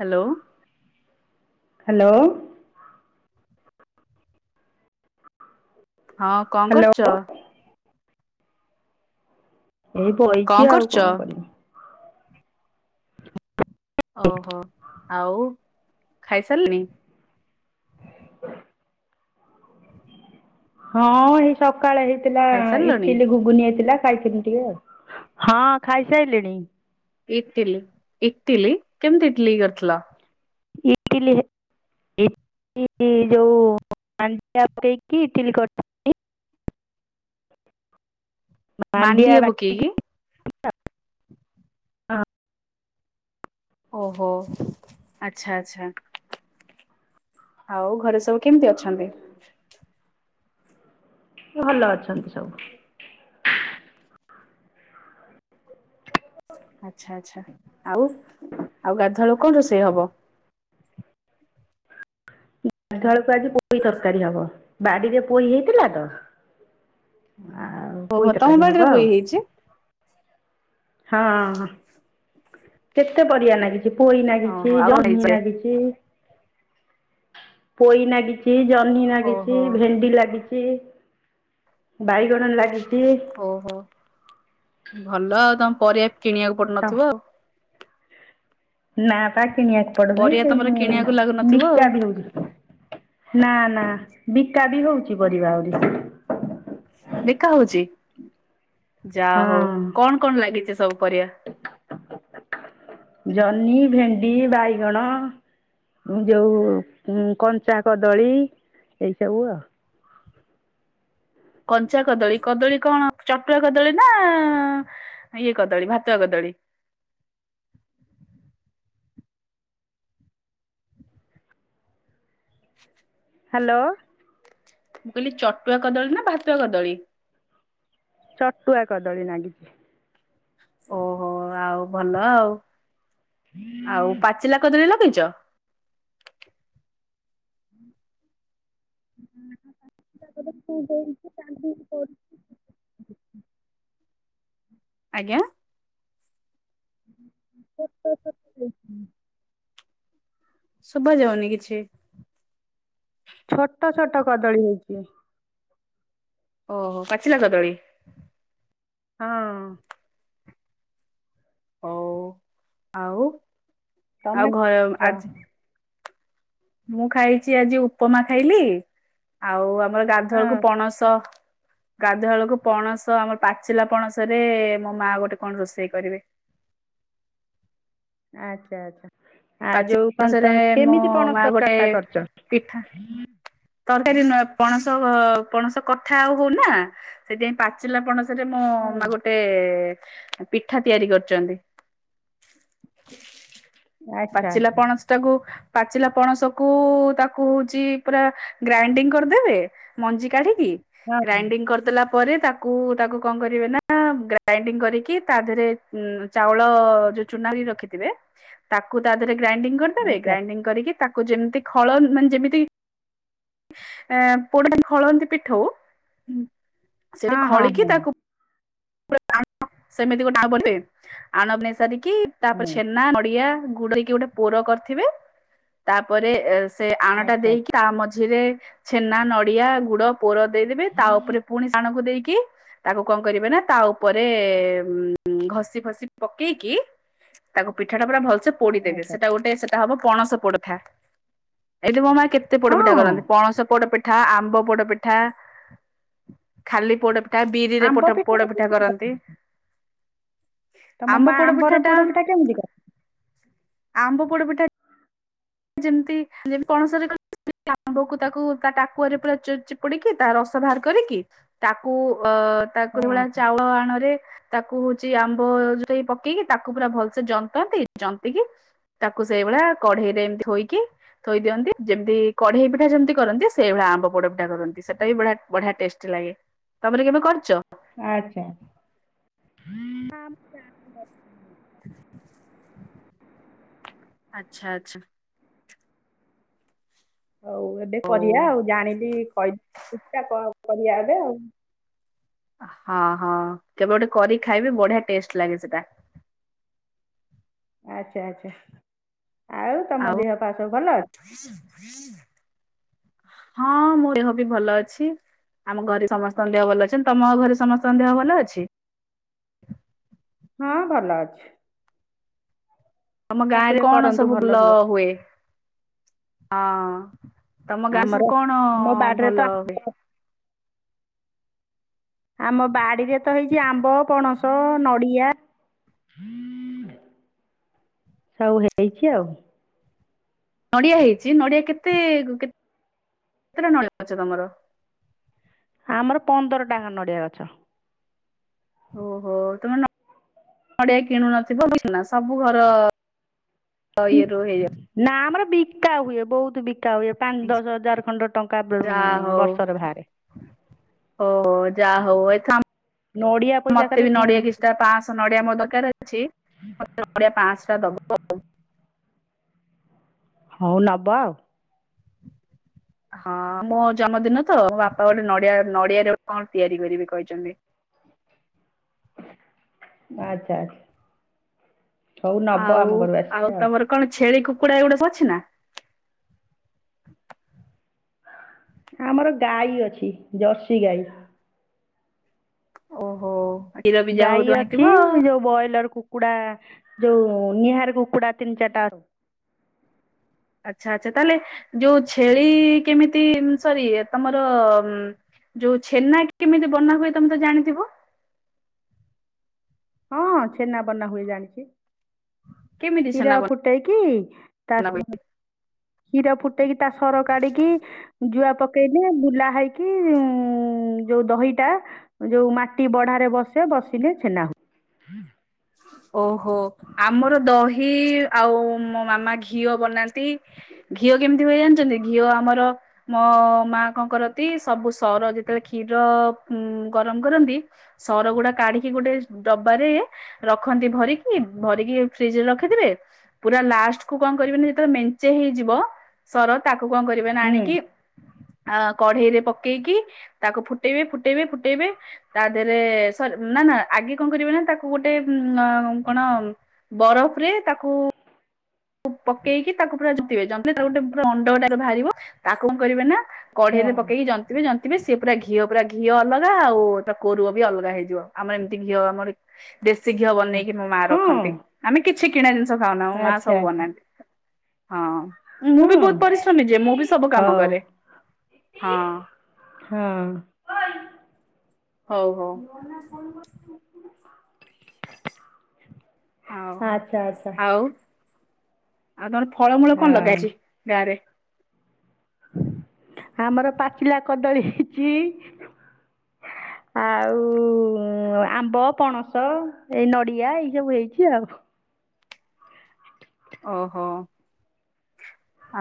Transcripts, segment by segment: Hello. Hello. ହଁ କଣ hello. କରୁଛ? [unintelligible] ଏଇ ବଇଚି ଆଉ କଣ କରିମି। ଓହୋ ଆଉ ଖାଇସାରିଲେଣି? ହ [inaudible] ହଁ ଏଇ ସକାଳେ ହେଇଥିଲା ଖାଇସାରିଲଣି ଇଟିଲି ଘୁଗୁନି ହେଇଥିଲା ଖାଇଥିନି। ତିକି ଆଉ ହଁ ଖାଇସାରିଲିଣି। ଇଟିଲି ଇଟିଲି କେମିତି ଇଟିଲି କରିଥିଲ? ଇଟିଲି। ଇଟିଲି ଯୋଉ ମାଣ୍ଡିଆ ପକେଇକି ଇଟିଲି କରିଥିଲି। ମାଣ୍ଡିଆ ପକେଇକି? ହଁ ଓହୋ ଆଚ୍ଛା ଆଛା। ଆଉ ଘରେ ସବୁ କେମିତି ଅଛନ୍ତି? ଭଲ ଅଛନ୍ତି ସବୁ। ଆଚ୍ଛା ଆଚ୍ଛା ଆଉ ଆଉ ଗାଧୁଆବେଳକୁ କଣ ରୋଷେଇ ହବ? ଗାଧୁଆବେଳକୁ ଆଜି ପୋଇ ତରକାରୀ ହବ ବାଡ଼ିରେ ପୋଇ ହେଇଥିଲା ତ ଆଉ - ଆଉ ଓହୋ ପୋଇ ତମ ତରକାରୀ ବାଡିରେ ହବ ପୋଇ ଆଉ। ହେଇଛି ହଁ କେତେ ପରିବା ନାଗିଚି ପୋଇ ଓହୋ ନାଗିଚି ଆଉ କଣ ଜହ୍ନି ହେଇଛି? ନାଗିଚି ପୋଇ ନାଗିଚି ଜହ୍ନି ନାଗିଚି ଓହୋ ଭେଣ୍ଡି ଲାଗି ଚି ବାଇଗଣ ଲାଗି ଓହୋ ଭଲ ଆଉ ତମେ ପରିବା କିଣିବାକୁ ତ ପଡୁନଥିବ ଆଉ। ନା ପା କିଣିଆକୁ ପଡୁନି ପରିବା ସେ ତମର ଉଁ କିଣିବାକୁ ଲାଗୁନଥିବ ଆଉ ବିକା ବି ହଉଚି। ନା ନା ବିକା ବି ହଉଚି ପରିବା ଆଉରି। ବିକା ହଉଚି ଯା ହଉ ହଁ କଣ କଣ ଲାଗିଚି ସବୁ ପରିବା? ଜହ୍ନି ଭେଣ୍ଡି ବାଇଗଣ ଯଉ କଞ୍ଚା କଦଳୀ ଏଇ ସବୁ ଆଉ। କଞ୍ଚା କଦଳୀ କଦଳୀ କଣ ଚଟୁଆ କଦଳୀ ନା ଇଏ କଦଳୀ ଭାତୁଆ କଦଳୀ? ହ୍ୟାଲୋ। ମୁଁ କହିଲି ଚଟୁଆ କଦଳୀ ନା ଭାତୁଆ କଦଳୀ? ଚଟୁଆ କଦଳୀ ନାଗିଚି। ଓହୋ ଆଉ ଭଲ ଆଉ ଆଉ ପାଚିଲା କଦଳୀ ଲଗେଇଚ? [unintelligible] ଆଜ୍ଞା। [unintelligible] [unintelligible] ଶୁଭାଯାଉନି କିଛି। ଛୋଟ ଛୋଟ କଦଳୀ ହେଇଚି। ଓହୋ ପାଚିଲା କଦଳୀ। ହଁ। ହଉ ଆଉ ଆଉ ତମେ ଘର ଆଜି ମୁଁ ଖାଇଚି ଆଜି ଉପମା ଖାଇଲି। ଆଉ ଆମର ଗାଧୁଆବେଳକୁ ହଁ ପଣସ ଗାଧୁଆ ବେଳକୁ ପଣସ ଆମର ପାଚିଲା ପଣସ ରେ ମୋ ମା ଗୋଟେ କଣ ରୋଷେଇ କରିବେ। ଆଚ୍ଛା ଆଚ୍ଛା ଆଉ ପାଚିଲା ଯୋଉ କଣ ତ ପଣସରେ ମୋ କେମିତି ପଣସ ମା ଗୋଟେ ତରକାରୀଟା କରୁଚ? ପିଠା। ତରକାରୀ ନୁହଁ ପଣସ ପଣସ କଠା ଆଉ ହଉନି ନା ସେଥି ପାଇଁ ପାଚିଲା ପଣସ ରେ ମୋ ହଁ ମା ଗୋଟେ ରେ ପିଠା ତିଆରି କରୁଚନ୍ତି। ଆଚ୍ଛା ପାଚିଲା ଆଚ୍ଛା ପଣସ ଟାକୁ ପାଚିଲା ପଣସକୁ ତାକୁ ହଉଚି ପୁରା ଗ୍ରାଇଣ୍ଡିଙ୍ଗ କରିଦେବେ ମଞ୍ଜି କାଢିକି ହଁ ଗ୍ରାଇଣ୍ଡିଙ୍ଗ କରିଦେଲା ପରେ ତାକୁ ତାକୁ କଣ କରିବେ ନା ଗ୍ରାଇଣ୍ଡିଙ୍ଗ କରିକି ତା ଦେହରେ ଉଁ ଚାଉଳ ଯୋଉ ଚୁନା ରିକି ରଖିଥିବେ ତାକୁ ତା ଦେହେରେ ଗ୍ରାଇଙ୍ଗ ହଁ କରିଦେବେ ଆଚ୍ଛା ଗ୍ରାଇଙ୍ଗ କରିକି ତାକୁ ଯେମିତି ଖଳ ମାନେ ଯେମିତି ପୋଡ ଖଳନ୍ତି ପିଠୋଉ ସେଠି ହଁ ଖଳିକି ହଁ ହଁ ତାକୁ ସେମିତି ଗୋଟେ [unintelligible] ଆଣ ନେଇ ସାରିକି ତାପରେ ହଁ ଛେନା ନଡିଆ ଗୁଡ ଦେଇକି କି ଗୋଟେ ପୋର କରିଥିବେ ତାପରେ ସେ ଆଣଟା ଆଚ୍ଛା ଦେଇକି ତା ମଝିରେ ଛେନା ନଡ଼ିଆ ଗୁଡ ପୋର ଦେଇଦେବେ ତା ଉପରେ ପୁଣି ଆଣକୁ ଦେଇକି ତାକୁ କଣ କରିବେ ନା ତା ଉପରେ ଉ ଘସି ଫସି ପକେଇକି ତାକୁ ପିଠା ଟା ପୁରା ଭଲସେ ପୋଡିଦେବେ ଆଚ୍ଛା ସେଟା ଗୋଟେ ସେଟା ହବ ପଣସ ପୋଡଥା ଏଇଠି [unintelligible] କେତେ ପୋଡ ପିଠା ହଁ କରନ୍ତି ପଣସ ପୋଡ ପି ଠା ଆମ୍ବ ପୋଡ ପିଠା ଖାଲି ପୋଡ ପିଠା ବିରିରେ ଆମ୍ବ ପୋଟ ପିଠାଟା ପୋଡପିଠା କେମିତି କର କରନ୍ତି ତମ ଆମ୍ବ ମା ପୋଡପିଠା ଆମ୍ବର ଟା ପୋଡ଼ ପିଠା କେମିତି କରେ ଆମ୍ବ ପୋଡ ପିଠା ଯେମିତି [unintelligible] ଆମ୍ବକୁ ତାକୁ ତା ଟାକୁଆରେ ପୁରା ଚି ଚିପୁଡିକି ତା ରସ ବାହାର କରିକି ତାକୁ ଅ ତାକୁଡି ହଁ ଭଳିଆ ଚାଉଳ ଆଣରେ ତାକୁ ହଉଚି ଆମ୍ବ ଯୋଉ ସେଇ ପକେଇକି ତାକୁ ପୁରା ଭଲସେ ଜନ୍ତନ୍ତି ଜନ୍ତକି ତାକୁ ସେଇଭଳିଆ କଢେଇରେ ଏମିତି ହୋଇକି ଥୋଇ ଦିଅନ୍ତି ଯେମିତି କଢେଇ ପିଠା ଯେମିତି କରନ୍ତି ସେଇଭଳିଆ ଆମ୍ବ ପୋଡ ପିଠା କରନ୍ତି ସେଟା ବି ବଢିଆ ବଢିଆ ଟେଷ୍ଟି ଲାଗେ। ତମରେ କେବେ କରିଚ [unintelligible] ଆଛା ଆଚ୍ଛା। ହଉ ଏବେ ହଉ କରିବା ଆଉ ଜାଣିଲି କହିି [unintelligible] କରିବା ଏବେ ଆଉ। ହଁ ହଁ କେବେ ଗୋଟେ କରିିକି ଖାଇବି ବଢିଆ ଟେଷ୍ଟ ଲାଗେ ସେଟା। ଆଚ୍ଛା ଆଚ୍ଛା ଆଉ ତମ ଦେହ ପାା ସବୁ ଭଲ। ହଁ ମୋ ଦେହ ବି ଭଲ ଅଛି। ଆମ ଘରେ ସମସ୍ତଙ୍କ ଦେହ ଭଲ ଅଛନ୍ତି ତମ ଘରେ ସମସ୍ତଙ୍କ ଦେହ ଭଲ ଅଛି? ହଁ ଭଲ ଅଛି। ଆମ ଗାଁରେ ଠାକୁରେ କଣ କରନ୍ତୁ ସବୁ ଭଲ ଲ ରୁହ ହୁଏ ହଁ। ତମ ଗାଁରେ ସବୁ ଆମର କଣ ଆମ ବାଡ଼ିରେ ତ ଭଲ ହୁଏ। ଆମ୍ବ ଆମ ବାଡିରେ ତ ହେଇଛି ଆମ୍ବ ପଣସ ନଡିଆ। ସବୁ ହେଇଚି ଆଉ। ନଡ଼ିଆ ହେଇଚି ନଡ଼ିଆ କେତେ କେତେଟା ନଡିଆ ଗଛ ତମର? ଆମର ପନ୍ଦର ଟା ଆଙ୍କ ନଡିଆ ଗଛ। ଓହୋ ତମେ ନ ନଡିଆ କିଣୁନଥିବ [unintelligible] ସବୁ ଘର [unintelligible] ନା ଆମର ବିକା ହୁଏ ବହୁତୁ ବିକା ହୁଏ। ପାଞ୍ଚ ଦଶ ହଜାର ଖଣ୍ଡ ଟଙ୍କା ବର୍ଷରେ ବାହାରେ। ଅ ହ ଯାହା ହଉ ଏଥ ନଡ଼ିଆ ପଇସା ମତେ ଖାଲି ବି ନଡିଆ କିଛିଟା ପାଆଁସ ନଡ଼ିଆ ମୋ ଦରକାର ଅଛି ମତେ ନଡ଼ିଆ ପାଆଁଶ ଟା ଦବ ଆଉ। ହଉ ନବ ଆଉ। ହଁ ମୋ ଜମଦିନ ତ ମୋ ବାପା ଗୋଟେ ନଡିଆ ନଡିଆରେୋ କଣ ତିଆରି କରିବି କହିଛନ୍ତି। ଆଚ୍ଛା ଆଚ୍ଛା ହଉ ନବ ଆଉ ଆମ ଘରୁ ଆସିଲେ ଆଉ। କଣ ଛେଳି କୁକୁଡା ଏଗୁଡା ସ ଅଛି ନା। ଆମର ଗାଈ ଅଛି ଜର୍ସି ଗାଈ। ଓହୋ ଖିର ବିଜା ହଉ ଥିବ ହେଇଥିବ ଆଉ। ବଏଲର କୁକୁଡା ଯୋଉ ନିହାର କୁକୁଡା ତିନି ଚାରିଟା ଅ ଆଚ୍ଛା ଆଛା ତାହେଲେ ଯୋଉ ଛେଳି କେମିତି ସରି ତମର ଯୋଉ ଛେନା କେମିତି ବନା ହୁଏ ତୋମେ ତ ଜାଣିଥିବ? ହଁ ଛେନା ବନା ହୁଏ ଜାଣିଛି, କେମିତି ଛେନା କ୍ଷୀର ବନା ଫୁ ଟେଇକି, ତା ହୁଏ? ସର କ୍ଷୀର ଫୁଟେଇକି ତା ସର କାଢିକି ଜୁଆ ପକେଇଲେ ବୁଲା ହେଇକି ଉ, ଯୋଉ ଦହି ଟା ଯୋଉ ମାଟି ବଢାରେ ବସେ ବସିଲେ ଛେନା ହୁ ହୁଁ ଓହୋ! ଆମର ଦହି ଆଉ ମୋ ମାମା ଘିଅ ବନାନ୍ତି। ଘିଅ କେମିତି ହୁଏ ଜାଣିଚନ୍ତି? ଘିଅ ଆମର ମୋ ମା କଣ କରତି ସବୁ ସର ଯେତେବେଳେ କ୍ଷୀର ଉଁ, ଗରମ କରନ୍ତି ସର ଗୁଡା କାଢିକି ଗୋଟେ ଡବାରେ ରଖନ୍ତି ଭରିକି, ଭରିକି ଫ୍ରିଜ୍ ରେ ରଖିଥିବେ। ପୁରା ଲାଷ୍ଟ କୁ କଣ କରିବେ ନି ଯେତେବେଳେ ମେଞ୍ଚେ ହେଇଯିବ। ସର ତାକୁ କଣ କରିବେ ନା ହୁଏ। ଆଣିକି ଆ, କଢେଇରେ ପକେଇକି ତାକୁ ଫୁଟେଇବେ ଫୁଟେଇବେ ଫୁଟେଇବେ ତା ଦେହରେ ସରି ନା, ନା ଆଗେ କଣ କରିବେ ନା ତାକୁ ଗୋଟେ ଉଁ, ଅଁ, ଉଁ, କଣ ବରଫରେ ତାକୁ କୁ ପକେଇକି ତାକୁ ପୁରା ଜନ୍ତିବେ ଜନ୍ତିଲେ ତାକୁ ଗୋଟେ ପୁରା ଅଣ୍ଡଟା ଯୋଉ ବାହାରିବ, ତାକୁ କଣ କରିବେ ନା ହୁଁ କଢେଇରେ ପକେଇକି ଜନ୍ ଜନ୍ତିବେ ଜନ୍ତିବେ ସିଏ ପୁରା ଘିଅ ପୁରା ଘିଅ ଅଲଗା ଆଉ ତା କୋରୁଅ ବି ଅଲଗା ହେଇଯିବ। ଆମର ଏମିତି ଘିଅ ଆମର ଦେଶୀ ଘିଅ ବନେଇକି ମୋ ମା ହଁ ରଖନ୍ତି, ଆମେ କିଛି କିଣା ଜିନିଷ ଖାଉନା। ମୋ ମା ଆଚ୍ଛା ସବୁ ବନାନ୍ତି ହଁ। ମୁଁ ବି ହଁ ଆଚ୍ଛା ଆଚ୍ଛା ବହୁତ ପରିଶ୍ରମୀ ଯିଏ, ମୁଁ ବି ସବୁ ହଁ କାମ ହଉ କରେ, ହଁ। ହଉ ହଉ ହଁ। ଆଉ ହଉ ଆଚ୍ଛା, ଆଚ୍ଛା। ଆଉ ଆଉ ତୋମର ଫଳମୂଳ କଣ ଲଗା ହଁ ଅଛି ଗାଁ ରେ? ଆମର ପାଚିଲା କଦଳୀ ହେଇଚି। ଆଉ ଉଁ, ଆମ୍ବ, ପଣସ ଏଇ ନଡିଆ ଏଇ ସବୁ ହେଇଛି ଆଉ। ଓହୋ।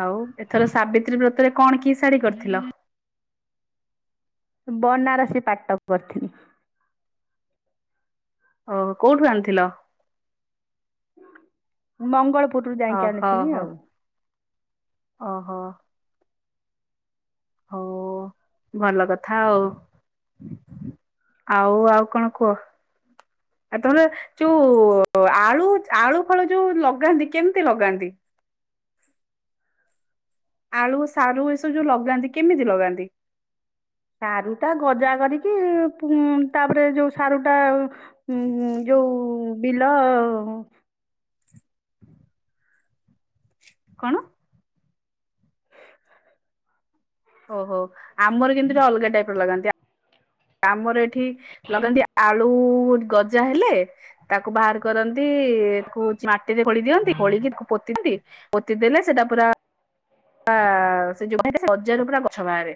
ଆଉ ଏଥର ସାବିତ୍ରୀ ବ୍ରତରେ କଣ କି ଶାଢୀ କରିଥିଲ? ବନାରସୀ ପାଟ କରିଥିନି। ଓ, କୋଉଠୁ ଆଣିଥିଲ? ମଙ୍ଗଳପୁରରୁ। ଓ ଯାଇକି ହୋ, ଆଣିଥିଲି ହୋ ଆଉ ଓହୋ। ହଉ ଭଲ କଥା ଆଉ। ଆଉ ଆଉ କଣ କୁଅ? ଆ, ତୋମର ଯୋଉ ଆଳୁ ଆଳୁ ଫାଳୁ ଯୋଉ ଲଗାନ୍ତି କେମିତି ଲଗାନ୍ତି? ଆଳୁ ସାରୁ ଏସବୁ ଯୋଉ ଲଗାନ୍ତି କେମିତି ଲଗାନ୍ତି? ସାରୁ ଟା ଗଜା କରିକି ପୁ-ଉଁ, ତାପରେ ଯୋଉ ସାରୁ ଟା ହୁଁ, ହୁଁ ଯୋଉ ବିଲ କଣ? ଓହୋ, ଆମର କିନ୍ତୁ [inaudible] ଅଲଗା ଟାଇପ୍ ର ଲଗାନ୍ତି। ଆ ଆମର ଏଠି ଲଗାନ୍ତି ଆଳୁ ଗଜା ହେଲେ ତାକୁ ବାହାର କରନ୍ତି, ତାକୁ ମାଟିରେ ଖୋଳି ଦିଅନ୍ତି, ଖୋଳିକି ତାକୁ ପୋତି ଦିଅନ୍ତି। ପୋତି ଦେଲେ ସେଟା ପୁରା ପା ସେ ଯୋଉ [inaudible] ଗଜାରୁ ପୁରା ଗଛ ବାହାରେ,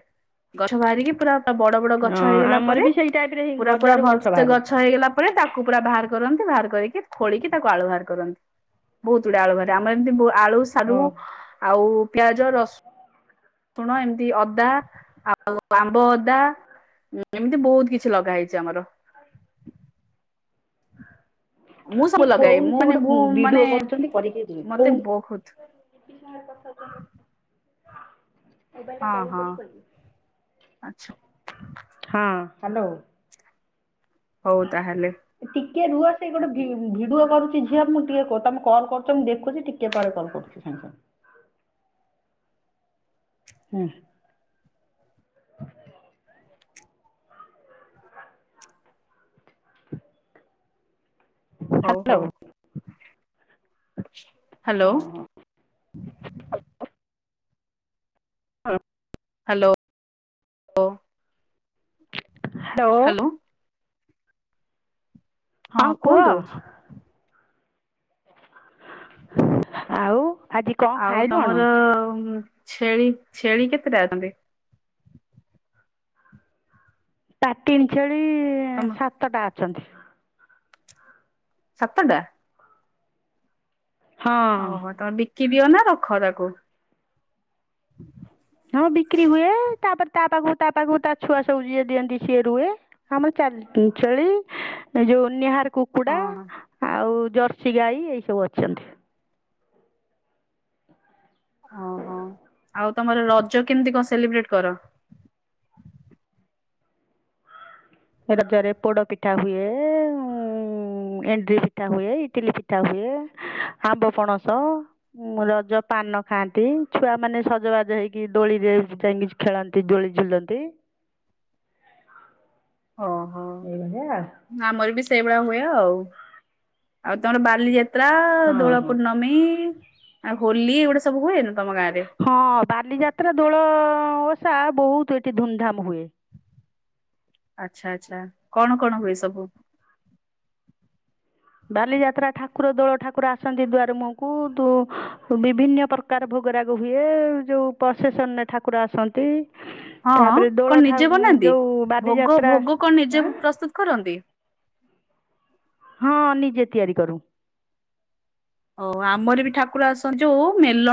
ଗଛ ବାହାରିକି ପୁରା ଟ- ବଡ ବଡ ଅ, ଗଛ ହେଇଗଲା ଆମର ପରେ ବି ସେଇ ଟାଇପ୍ ରେ ହିଁ ପୁରା ପୁରା ଗଜାରୁ ଭଲସେ ବାହାରେ ଗଛ ହେଇଗଲା ପରେ ତାକୁ ପୁରା ବାହାର କରନ୍ତି ବାହାର କରିକି ଖୋଳିକି ତାକୁ ଆଳୁ ବାହାର କରନ୍ତି। ବହୁତ ତୁଡ଼ ଆଳୁ ବାହାରେ ଆମର ଏମତି ବୁ-ଆଳୁ, ଓ ସାରୁ ଆଉ ପିଆଜ, ରସ ସୁଣ ଏମତି ଅଦା ଆଉ ଆମ୍ବ ଅଦା ହୁଁ ଏମିତି ବହୁତ କିଛି ଲଗା ହେଇଛି ଆମର ମୁଁ ସବୁ କିଏ ଲଗାଏ କହୁନୁ ମୁଁ ସେ ମାନେ ମୁଁ ଗୋଟେ ଭଡିଓ ମାନେ କରୁଛନ୍ତି କରିକି ଯିବେ ମତେ କହୁନୁ। [inaudible] ବହୁତ ହଁ ହଁ ଆଚ୍ଛା ହଁ ହାଲୋ। ହଉ ତାହେଲେ ଟିକେ ରୁହ ସେ ଗୋଟେ ଭିଡିଓ କରୁଛି ଝିଅ ମୁଁ ଟିକେ କ ତମେ କଲ କରୁଛ ମୁଁ ଦେଖୁଛି ଟିକେ ପରେ କଲ୍ କରୁଚି। ଆଜ୍ଞା। ହୁଁ। ହଉ ସାଙ୍ଗେ ହଉ। ହୁଁ ହ୍ୟାଲୋ ହଁ। ହଁ। Hello hello. ହ୍ୟାଲୋ ହଁ କୁହ? ଆଉ ଆଜି କ'ଣ ଆଉ ଖାଇଲୁ କ'ଣ ତମର ଛେଳି ଛେଳି କେତେଟା ଅଛନ୍ତି? ପାଟିନ ଛେଳି ତମ ସାତଟା ଅଛନ୍ତି। ସାତଟା। ହଁ। ଓହୋ ତମେ ବିକି ଦିଅ ନା ରଖ ତାକୁ? ହଁ ବିକ୍ରି ହୁଏ ତାପରେ ତା ପାଖ ତା ପାଖକୁ ତା ଛୁଆ ସବୁ ଯିଏ ଦିଅନ୍ତି ସିଏ ରୁହେ। ଆମର ଚାରିଟି ଛେଳି ଯୋଉ ନିହାର କୁ କୁକୁଡା ଓହୋ ଆଉ ଜର୍ସି ଗାଈ ଏଇ ସବୁ ଅଛନ୍ତି। ହଁ ହଁ ଆଉ ତମର ରଜ କେମିତି କଣ ସେଲିବ୍ରେଟ କର? ରଜରେ ପୋଡ ପିଠା ହୁଏ। ଉଁ ଏଣ୍ଡିରି ପିଠା ହୁଏ ଇଟିଲି ପିଠା ହୁଏ ଆମ୍ବ ପଣସ। ଉଁ ରଜ ପାନ ଖାଆନ୍ତି ଛୁଆ ମାନେ ସଜବାଜ ହେଇକି ଦୋଳିରେ ଯାଇକି ଝୁ ଖେଳନ୍ତି ଦୋଳି ଝୁଲନ୍ତି। ଓହୋ। ଏଇଭଳିଆ। ଆମର ବି ସେଇଭଳିଆ ହୁଏ ଆଉ ଆଉ ତମର ବାଲି ଯା ଯାତ୍ରା ଆଉ ଦୋଳ ହଁ ହଁ। ପୂର୍ଣ୍ଣମୀ ଆଉ ହୋଲି ଏଗୁଡା ସବୁ ହୁଏନି ତମ ଗାଁରେ। ହଁ ବାଲିଯାତ୍ରା ଦୋଳ ଓଷା ବହୁତ ଏଠି ଧୁମଧାମ ହୁଏ। ଆଛା ଆଛା କଣ କଣ ହୁଏ ସବୁ? ବାଲିଯାତ୍ରା ଠାକୁର ଦୋଳ ଠାକୁର ଆସନ୍ତି ଦୁଆର ମୁଁହକୁୁ ବିଭିନ୍ନ ପ୍ରକାର ପ୍ରକାର ଭୋଗରାଗ ହୁଏ ଯୋଉ ପ୍ରସେସନରେ ଠାକୁର ଆସନ୍ତି। ହଁ ତାପରେ କଣ ଦୋଳଠା ନିଜେ ବନାନ୍ତି? ଯୋଉ ଭୋଗ ବାଲିଯାତ୍ରା ଭୋଗ କଣ ନିଜେ ପ୍ରସ୍ତୁତ କରନ୍ତି। ହଁ ନିଜେ ତିଆରି କରୁ। ଓ ଆମର ବି ଠାକୁର ଆସନ୍ତି ଯୋଉ ମେଲଣ